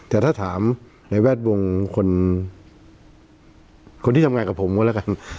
แต่ถ้าถามในแวดวงคนที่ทำงานกับผมก็แล้วกัน